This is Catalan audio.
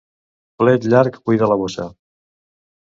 Plet llarg buida la bossa.